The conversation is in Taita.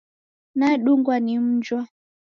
Nadungwa ni mnjwa